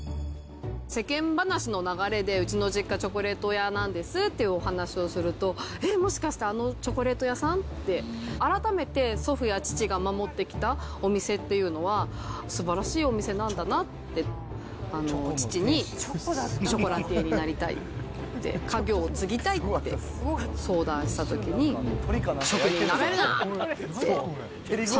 世間話の流れで、うちの実家、チョコレート屋なんですってお話をすると、えっ、もしかしてあのチョコレート屋さん？って、改めて、祖父や父が守ってきたお店っていうのは、すばらしいお店なんだなって、父にショコラティエになりたいって、家業を継ぎたいって相談したときに、職人なめるな！